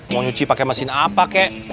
mau nyuci pake mesin apa ceng